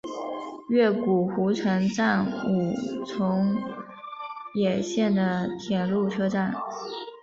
越谷湖城站武藏野线的铁路车站。